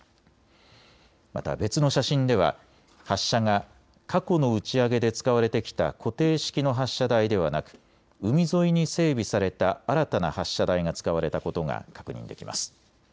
また別の写真では発射が過去の打ち上げで使われてきた固定式の発射台ではなく海沿いに整備された新たな発射台が使われたことが確認できます。